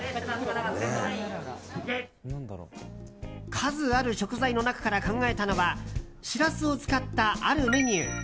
数ある食材の中から考えたのはシラスを使った、あるメニュー。